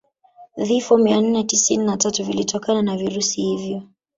Vifo mia nne tisini na tatu vilitokana na virusi hivyo